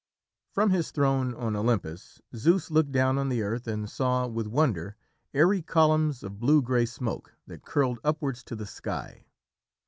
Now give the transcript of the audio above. From his throne on Olympus, Zeus looked down on the earth and saw, with wonder, airy columns of blue grey smoke that curled upwards to the sky.